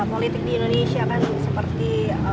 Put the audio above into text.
politik di indonesia kan seperti